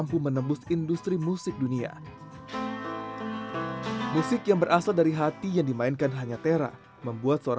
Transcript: produsen genting tradisional terbesar